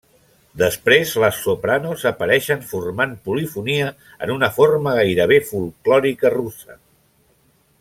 Després les sopranos apareixen formant polifonia, en una forma gairebé folklòrica russa.